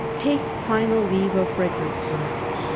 TAKE FINAL LEAVE OF FfiEDEEICKSBUKG.